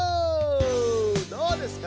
どうですか？